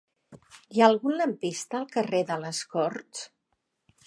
Hi ha algun lampista al carrer de les Corts?